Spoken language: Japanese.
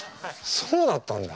そうだったんだ。